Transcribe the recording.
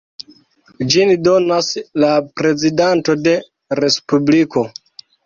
Ĝin donas la prezidanto de respubliko.